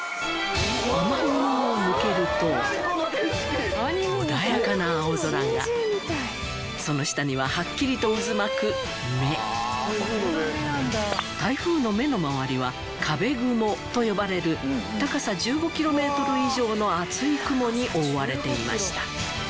雨雲を抜けると穏やかな青空がその下にははっきりと渦巻く目台風の目の周りは壁雲と呼ばれる高さ１５ｋｍ以上の厚い雲に覆われていました